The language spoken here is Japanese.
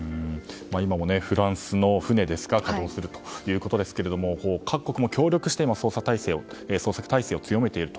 今もフランスの船で稼働するということですが国が協力して捜索態勢を強めていると。